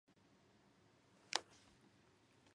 千葉県市原市